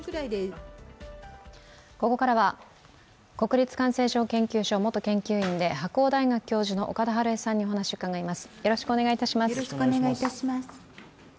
ここからは国立感染症研究所元研究員で白鴎大学教授の岡田晴恵さんにお話を伺います。